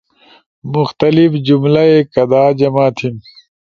مختلف کملہ ئی کدا جمع تھیم؟